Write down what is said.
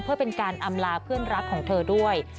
เพื่อเป็นการอำลาเพื่อนรักของเธอด้วย